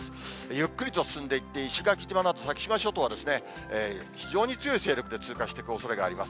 ゆっくりと進んでいって、石垣島など先島諸島は非常に強い勢力で通過していくおそれがあります。